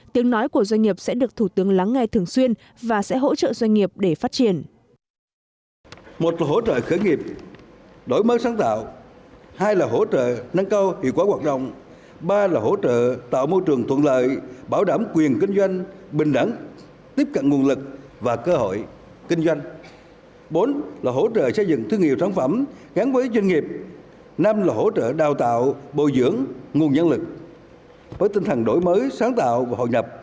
tiếng nói của doanh nghiệp sẽ được thủ tướng lắng nghe thường xuyên và sẽ hỗ trợ doanh nghiệp để phát triển